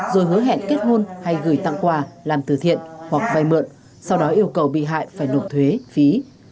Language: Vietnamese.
rồi hứa hẹn kết hôn hay gửi tặng quà làm từ thiện hoặc vay mượn sau đó yêu cầu bị hại phải nộp thuế phí